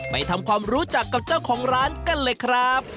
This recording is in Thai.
ไปทำความรู้จักกับเจ้าของร้านกันเลยครับ